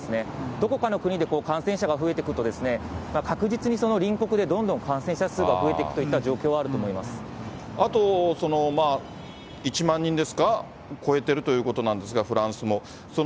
どこかの国で感染者が増えてくるとですね、確実にその隣国でどんどん感染者数が増えていくといった状況はああと、１万人ですか、超えているということなんですが、フランスも。